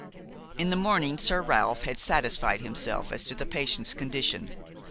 In the morning Sir Ralph had satisfied himself as to the patient's condition.